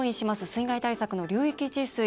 水害対策の流域治水。